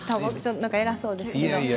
なんか偉そうですけど。